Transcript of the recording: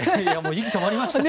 息止まりましたね。